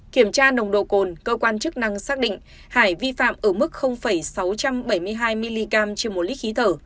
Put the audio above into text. kiểm tra nồng độ cồn cơ quan chức năng xác định hải vi phạm ở mức sáu trăm bảy mươi hai mg trên một lít khí thở